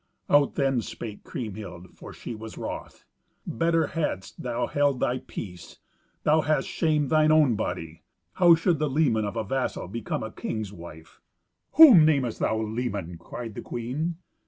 Out then spake Kriemhild, for she was wroth. "Better hadst thou held thy peace. Thou hast shamed thine own body. How should the leman of a vassal become a king's wife?" "Whom namest thou leman?" cried the queen.